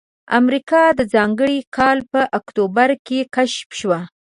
امریکا د ځانګړي کال په اکتوبر کې کشف شوه.